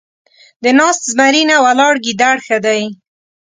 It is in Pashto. د ناست زمري نه ، ولاړ ګيدړ ښه دی.